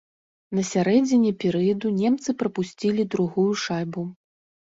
На сярэдзіне перыяду немцы прапусцілі другую шайбу.